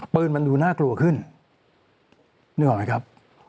ปืนมันดูน่ากลัวขึ้นเข้าคิดไหมหรือเปล่าครับ